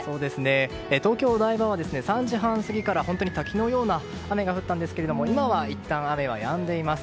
東京・お台場は３時間過ぎから滝のような雨が降ったんですが今はいったん雨はやんでいます。